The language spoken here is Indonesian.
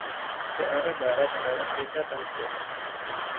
Ke arah barat adalah desa Tanfield.